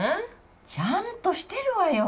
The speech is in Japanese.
ちゃんとしてるわよ。